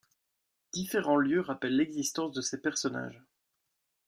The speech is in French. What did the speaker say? Différents lieux rappellent l'existence de ces personnages.